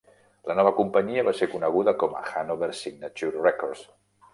La nova companyia va ser coneguda com Hannover-Signature Records.